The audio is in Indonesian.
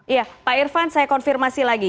iya pak irfan saya konfirmasi lagi